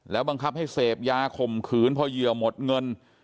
บังคับให้เสพยาข่มขืนพอเหยื่อหมดเงิน